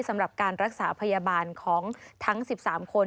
สำหรับการรักษาพยาบาลของทั้ง๑๓คน